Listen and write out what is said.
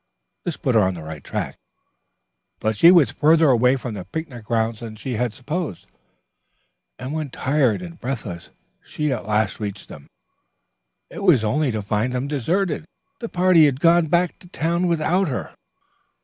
This put her on the right track, but she was farther away from the picnic grounds than she had supposed, and when tired and breathless she at last reached them, it was only to find them deserted. The party had gone back to town without her.